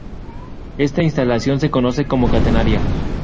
Esta instalación se conoce como catenaria.